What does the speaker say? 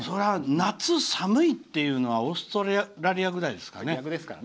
夏、寒いっていうのはオーストラリアくらいですかね。